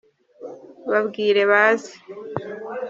babwire baze.